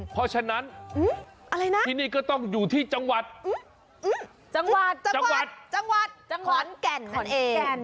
เพราะฉะนั้นที่นี่ก็ต้องอยู่ที่จังหวัดจังหวัดจังหวัดจังหวัดขอนแก่นขอนแก่น